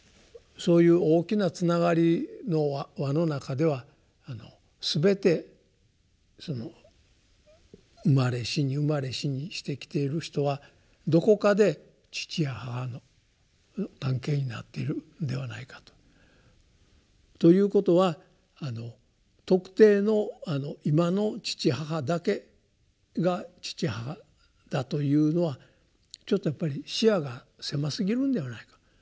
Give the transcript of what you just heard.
そういう大きなつながりの輪の中ではすべて生まれ死に生まれ死にしてきている人はどこかで父や母の関係になっているのではないかと。ということは特定の今の父母だけが父母だというのはちょっとやっぱり視野が狭すぎるんではないか。